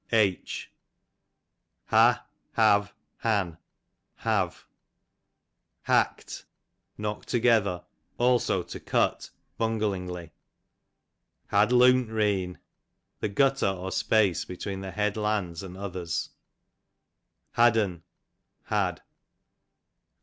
H. Ha, I Hav, I have. Han, •' Hackt, knock'd together ; also to cut hunglingly. Had loont rean, the gutter or space between the head lands and others. Had'n, had.